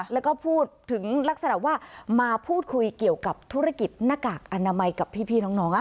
แล้วก็พูดถึงลักษณะว่ามาพูดคุยเกี่ยวกับธุรกิจหน้ากากอนามัยกับพี่น้อง